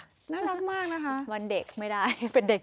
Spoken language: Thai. น่ารักมากนะคะ